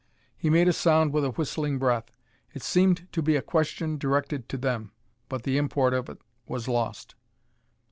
He made a sound with a whistling breath. It seemed to be a question directed to them, but the import of it was lost.